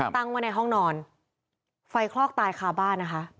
ตั้งว่าในห้องนอนฝ่ายคลอกตายขาบ้านนะคะ